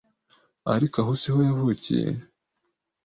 ariko aho siho yavukiye